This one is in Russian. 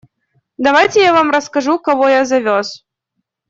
Дайте я вам расскажу, кого я завез.